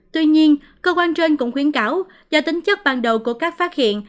tuy nhiên cơ quan trên cũng khuyến cáo do tính chất ban đầu của các phát hiện